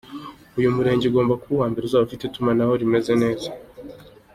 Uyu murenge ugomba kuba uwa Mbere uzaba ufite itumanaho rimeze neza.